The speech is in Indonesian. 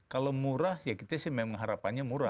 kalau murah ya kita sih memang harapannya murah